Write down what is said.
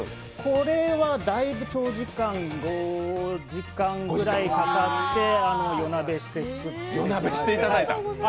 これはだいぶ長時間、５６時間ぐらいかかって夜なべして作りました。